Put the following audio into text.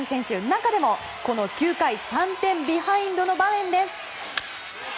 中でもこの９回３点ビハインドの場面です。